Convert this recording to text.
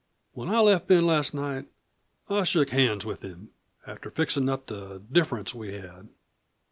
When I left Ben last night I shook hands with him, after fixin' up the difference we'd had.